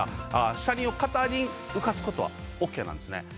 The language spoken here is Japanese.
車輪を片輪、浮かすことはＯＫなんですね。